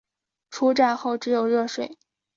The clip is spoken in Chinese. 出站后只有热水